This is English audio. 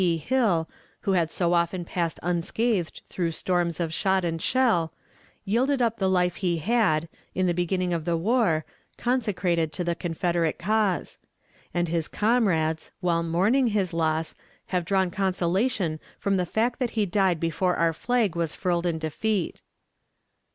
P. Hill, who had so often passed unscathed through storms of shot and shell, yielded up the life he had, in the beginning of the war, consecrated to the Confederate cause; and his comrades, while mourning his loss, have drawn consolation from the fact that he died before our flag was furled in defeat.